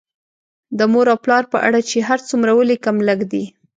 د مور او پلار په اړه چې هر څومره ولیکم لږ دي